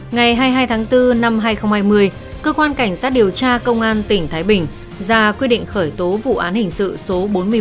ngày hai mươi hai tháng bốn năm hai nghìn hai mươi cơ quan cảnh sát điều tra công an tỉnh thái bình ra quyết định khởi tố vụ án hình sự số bốn mươi một